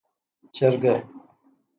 🐔 چرګه